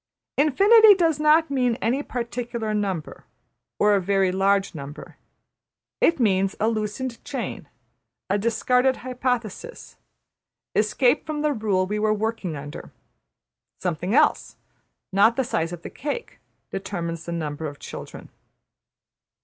'' Infinity does not mean any particular number, or a very large number. It means a loosened chain, a discarded hypothesis, escape from the rule we were working under. Something else, not the size of the cake, determines the number of children.